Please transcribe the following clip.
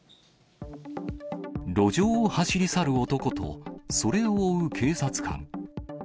路上を走り去る男と、それを追う警察官。